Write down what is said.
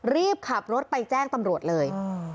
รีบขับรถไปแจ้งตำรวจเลย